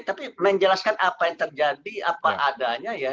tapi menjelaskan apa yang terjadi apa adanya ya